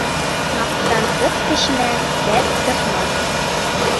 Маҡтансыҡ кешенән рәт сыҡмаҫ.